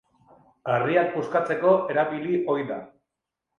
Harriak puskatzeko erabili ohi da.